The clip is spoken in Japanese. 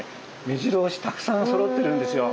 めじろ押したくさんそろってるんですよ。